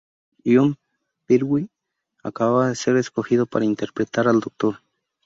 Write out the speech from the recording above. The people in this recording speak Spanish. Jon Pertwee acababa de ser escogido para interpretar al Doctor.